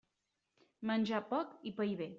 Menjar poc i pair bé.